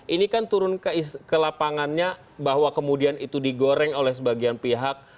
ini kan turun ke lapangannya bahwa kemudian itu digoreng oleh sebagian pihak